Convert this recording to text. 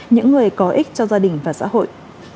những người có ích cho gia đình và xã hội